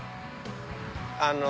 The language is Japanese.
ああ。